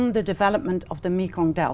có thể có những khu vực rộng rãi